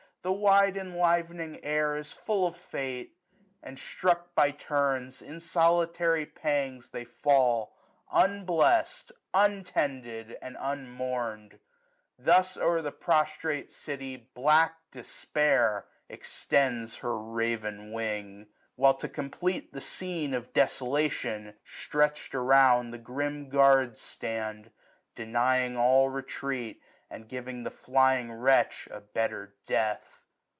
The wide enlivening air is full of fate ; And, struck by turns, in solitary pangs 1085 They fall, unblest, untended, and unmournM. Thus o*er the prostrate city black Despair Extends her raven wing ; while, to complete The scene of desolation, stretched around. The grim guards stand, denying all retreat, 1090 And give the flying wretch a better death.